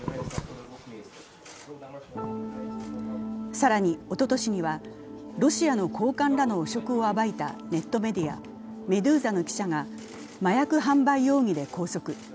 更に、おととしにはロシアの高官らの汚職を暴いたネットメディア、「メドゥーザ」の記者が麻薬販売容疑で拘束。